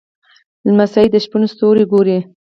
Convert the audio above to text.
لمسی د شپې ستوري ګوري.